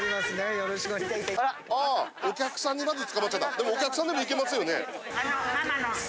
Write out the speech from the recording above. でもお客さんでもいけますよね？